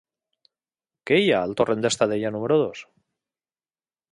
Què hi ha al torrent d'Estadella número dos?